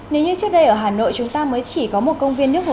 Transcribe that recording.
nếu như trước đây ở hà nội chúng ta mới chỉ có một công viên nước ngoài